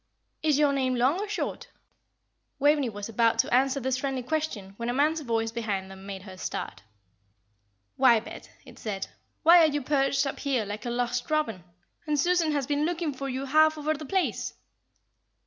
Is your name long or short?" Waveney was about to answer this friendly question when a man's voice behind them made her start. "Why, Bet," it said, "why are you perched up here, like a lost robin? And Susan has been looking for you half over the place."